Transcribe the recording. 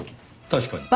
確かに。